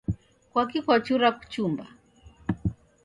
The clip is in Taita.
Kwaki kwachura kuchumba?